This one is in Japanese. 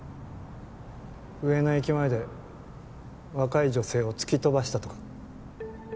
上野駅前で若い女性を突き飛ばしたとか。